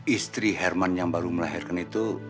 istri herman yang baru melahirkan itu